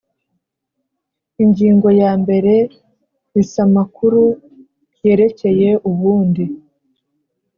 Ingingo ya mbere bis Amakuru yerekeye ubundi